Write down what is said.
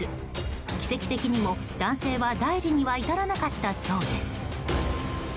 奇跡的にも男性は大事には至らなかったそうです。